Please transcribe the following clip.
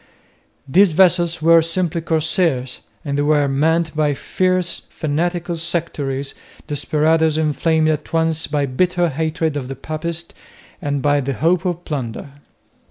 These vessels were simply corsairs and they were manned by fierce fanatical sectaries, desperadoes inflamed at once by bitter hatred of the papists and by the hope of plunder.